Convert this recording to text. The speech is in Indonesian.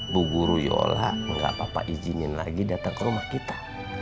bu guru yola enggak papa izinin lagi datang ke rumah kita